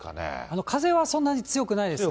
風はそんなに強くないですね。